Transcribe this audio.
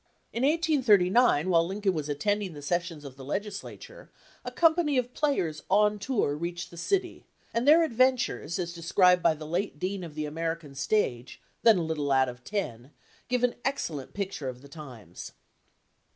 86 HIS EARLY CASES In 1839, while Lincoln was attending the ses sions of the legislature, a company of players "on tour" reached the city, and their adventures, as described by the late dean of the American stage, then a little lad of ten, give an excellent picture of the times.